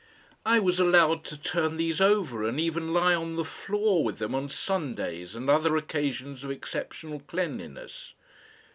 I was allowed to turn these over and even lie on the floor with them on Sundays and other occasions of exceptional cleanliness.